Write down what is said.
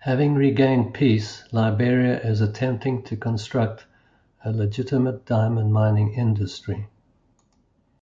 Having regained peace, Liberia is attempting to construct a legitimate diamond mining industry.